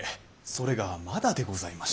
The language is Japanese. それがまだでございまして。